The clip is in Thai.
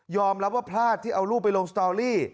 รับว่าพลาดที่เอาลูกไปลงสตอรี่